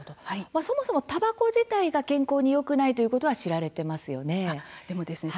そもそも、たばこ自体が健康によくないということは知られてますよね。